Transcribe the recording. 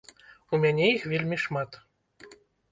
У мяне іх вельмі шмат!